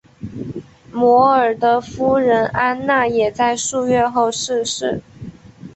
摩尔的夫人安娜也在数月后逝世。